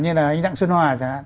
như là anh đặng xuân hòa chẳng hạn